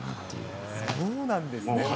そうなんですね。